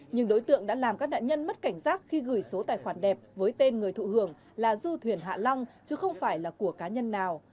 nhưng đối tượng đã làm các nạn nhân mất cảnh giác khi gửi số tài khoản đẹp với tên người thụ hưởng là du thuyền hạ long chứ không phải là của cá nhân nào